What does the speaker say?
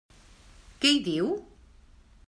Què hi diu?